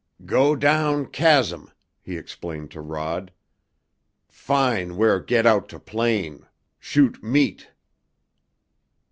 "Go down chasm," he explained to Rod. "Fin' where get out to plain. Shoot meat."